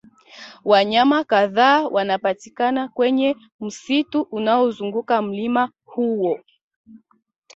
wanyama kadhaa wanapatikana kwenye msitu unaozunguka mlima huo